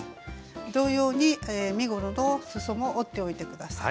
同様に身ごろのすそも折っておいて下さい。